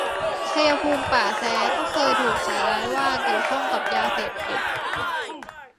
ชัยภูมิป่าแส ก็เคยถูกใส่ร้ายว่าเกี่ยวข้องกับ ยาเสพติด